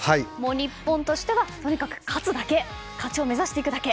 日本としてはとにかく勝つだけ勝ちを目指していくだけ。